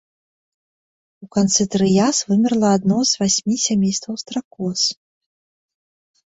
У канцы трыяс вымерла адно з васьмі сямействаў стракоз.